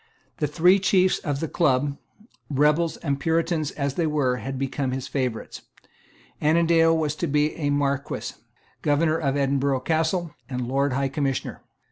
The three chiefs of the Club, rebels and Puritans as they were, had become his favourites. Annandale was to be a Marquess, Governor of Edinburgh Castle, and Lord High Commissioner.